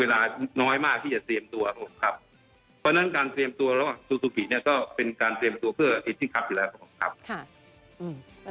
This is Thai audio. เพราะฉะนั้นการเตรียมตัวแล้วซูซูปิเนี่ยก็เป็นการเตรียมตัวเพื่ออาเซ็นต์คลับอยู่แล้วครับ